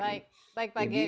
baik baik pak geri